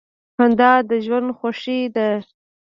• خندا د ژوند خوښي ده.